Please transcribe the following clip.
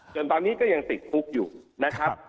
ตอนนี้ก็ยังติดคุกอยู่นะครับ